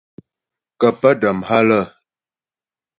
Kə́ pə́ dam há lə́.